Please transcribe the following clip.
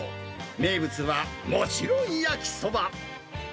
名物はもちろん焼きそば。